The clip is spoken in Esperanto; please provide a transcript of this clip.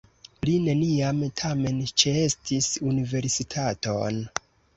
Li neniam, tamen, ĉeestis universitaton.